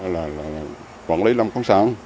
là quản lý làm công sản